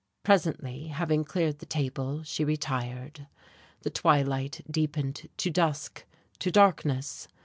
Presently, having cleared the table, she retired.... The twilight deepened to dusk, to darkness.